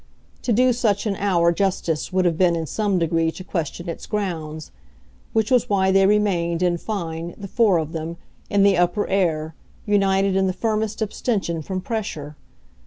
To do such an hour justice would have been in some degree to question its grounds which was why they remained, in fine, the four of them, in the upper air, united in the firmest abstention from pressure.